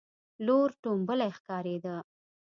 لور ټومبلی ښکارېده.